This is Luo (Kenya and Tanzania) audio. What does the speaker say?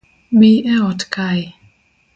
Bi eot kae